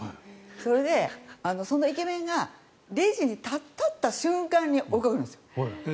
それで、そのイケメンがレジに立った瞬間に追いかけるんですよ。